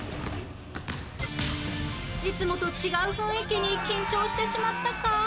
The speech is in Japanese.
いつもと違う雰囲気に緊張してしまったか？